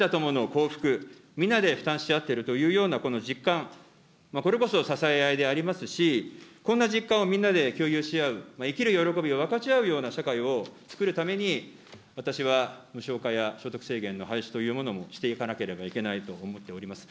幸福、みんなで負担し合っているというような実感、これこそ支え合いでありますし、こんな実感をみんなで共有し合う、生きる喜びを分かち合うような社会をつくるために、私は無償化や所得制限の廃止というものもしていかなければならないと思っております。